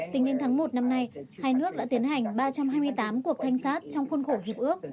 tính đến tháng một năm nay hai nước đã tiến hành ba trăm hai mươi tám cuộc thanh sát trong khuôn khổ hiệp ước